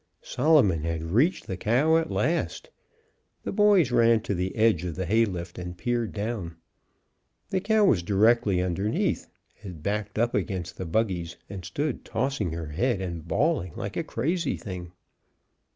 Solomon had reached the cow at last. The boys ran to the edge of the hay lift and peered down. The cow was directly underneath, had backed up against the buggies, and stood tossing her head and bawling like a crazy thing.